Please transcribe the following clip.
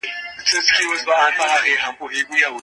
کله چې لاره معلومه وي تګ اسانه وي.